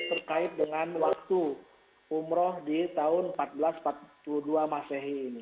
terkait dengan waktu umroh di tahun seribu empat ratus empat puluh dua masehi ini